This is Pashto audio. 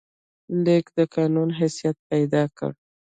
لیک د قانون حیثیت پیدا کړ.